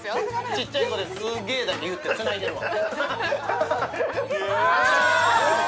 ちっちゃい声ですげえだけ言うてつないでるわ。